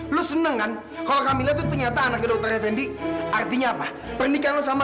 lu sama dokter fendi tuh sama